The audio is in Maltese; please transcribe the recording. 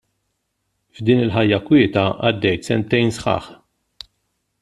F'din il-ħajja kwieta għaddejt sentejn sħaħ.